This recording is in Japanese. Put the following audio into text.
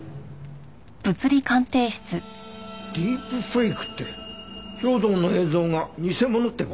ディープフェイクって兵働の映像が偽物って事？